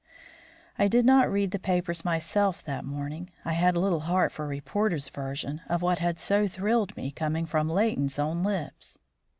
I did not read the papers myself that morning. I had little heart for a reporter's version of what had so thrilled me coming from Leighton's own lips.